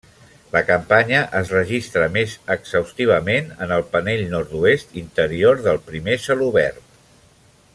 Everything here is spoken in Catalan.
La campanya es registra més exhaustivament en el panell nord-oest interior del primer celobert.